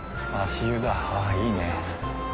足湯だいいね。